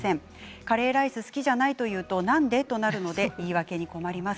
カレーライス好きじゃないというと、なんで？となるので言い訳に困ります。